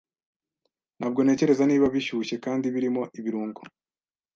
Ntabwo ntekereza niba bishyushye kandi birimo ibirungo.